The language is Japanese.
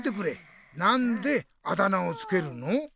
なんであだ名をつけるの？